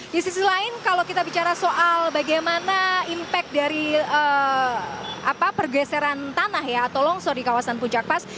di sisi lain kalau kita bicara soal bagaimana impact dari pergeseran tanah ya atau longsor di kawasan puncak pas